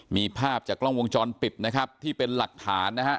มีภาพจากกล้องวงจรปิดนะครับที่เป็นหลักฐานนะฮะ